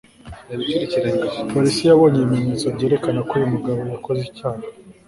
polisi yabonye ibimenyetso byerekana ko uyu mugabo yakoze icyaha